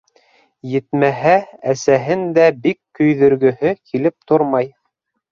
Етмәһә, әсәһен дә бик көйҙөргөһө килеп тормай.